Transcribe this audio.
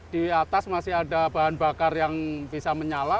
di atas masih ada bahan bakar yang bisa menyala